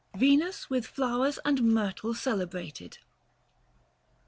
VENUS WITH FLOWEES AND MYRTLE CELEBEATED.